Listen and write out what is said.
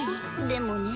でもね